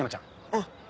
うん。